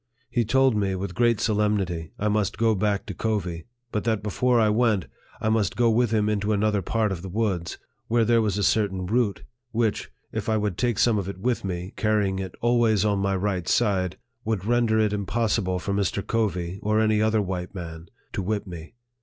He told me, with great solemnity, I must go back to Covey ; but that before I went, I must go with him into another part of the woods, where there was a certain root, which, if I would take some of it with me, carrying it always on my right side, would render it impossible for Mr. Covey, or any other white man, to whip me.